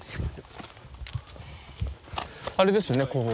あれですよね工房。